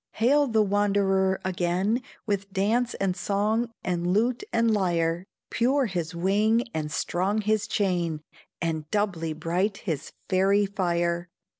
Hail the wanderer again, With dance and song, and lute and lyre, Pure his wing and strong his chain, And doubly bright his fairy fire.